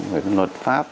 về các luật pháp